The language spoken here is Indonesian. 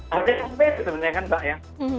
harusnya survei sebenarnya kan mbak ya